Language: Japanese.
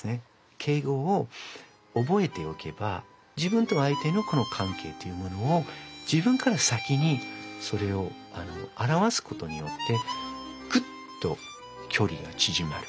敬語をおぼえておけば自分と相手のこのかんけいというものを自分から先にそれをあらわすことによってクッと距離が縮まる。